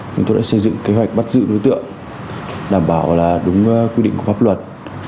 chúng tôi đã xây dựng kế hoạch bắt giữ đối tượng đảm bảo đúng quy định của pháp luật